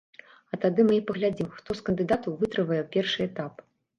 А тады мы і паглядзім, хто з кандыдатаў вытрывае першы этап.